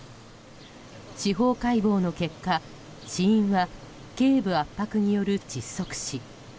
司法解剖の結果死因は、頸部圧迫による窒息死。